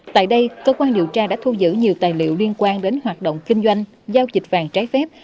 tại đây cơ quan điều tra đã thu giữ nhiều tài liệu liên quan đến hoạt động kinh doanh giao dịch vàng trái phép